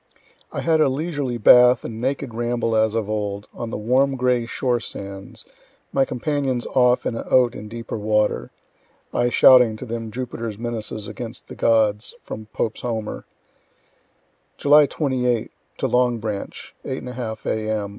I had a leisurely bath and naked ramble as of old, on the warm gray shore sands, my companions off in a oat in deeper water (I shouting to them Jupiter's menaces against the gods, from Pope's Homer) July 28 to Long Branch 8 1/2 A.M.